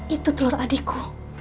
itu telur adikku